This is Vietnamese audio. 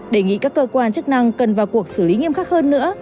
đề nghị các cơ quan chức năng cần vào cuộc xử lý nghiêm khắc hơn nữa